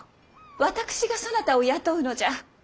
私がそなたを雇うのじゃ。